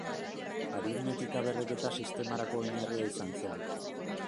Aritmetika berreketa-sistemetarako oinarria izan zen.